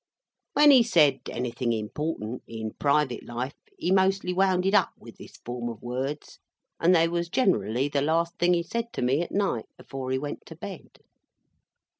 When he said anything important, in private life, he mostly wound it up with this form of words, and they was generally the last thing he said to me at night afore he went to bed.